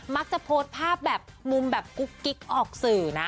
มักจะโพสต์ภาพแบบมุมแบบกุ๊กกิ๊กออกสื่อนะ